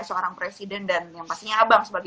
seorang presiden dan yang pastinya abang sebagai